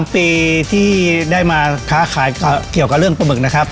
๓ปีที่ได้มาค้าขายเกี่ยวกับเรื่องปลาหมึกนะครับ